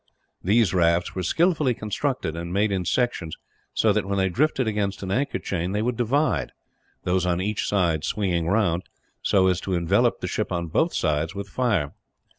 These rafts were skilfully constructed, and made in sections so that, when they drifted against an anchor chain, they would divide those on each side swinging round, so as to envelop the ship on both sides with fire.